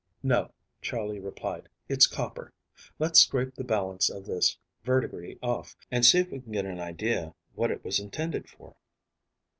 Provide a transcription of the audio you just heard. "No," Charley replied. "It's copper. Let's scrape the balance of this verdigris off, and see if we can get an idea what it was intended for."